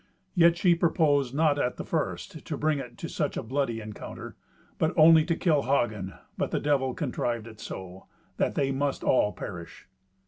Yet she purposed not at the first to bring it to such a bloody encounter, but only to kill Hagen; but the Devil contrived it so, that they must all perish.